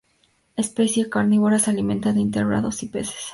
Especie carnívora, se alimenta de invertebrados y peces.